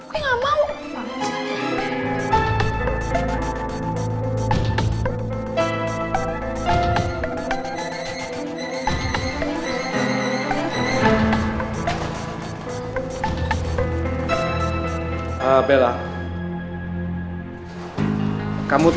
gue gak mau